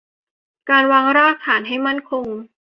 การวางรากฐานให้มั่นคง